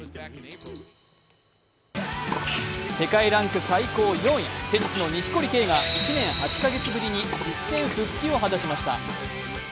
世界ランク最高４位、テニスの錦織圭が１年８か月ぶりに実戦復帰を果たしました。